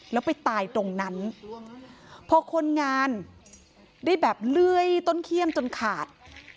แล้วไปตายตรงนั้นพอคนงานได้แบบเลื่อยต้นเขี้ยมจนขาด